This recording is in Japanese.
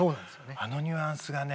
あのニュアンスがね。